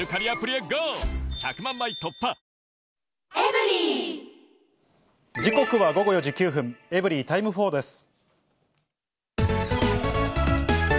「ビオレ」時刻は午後４時９分、エブリィタイム４です。